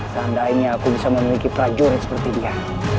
seandainya aku bisa memiliki prajurit seperti dia